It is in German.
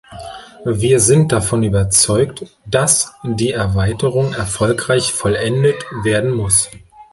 Wir sind davon überzeugt, dass die Erweiterung erfolgreich vollendet werden muss.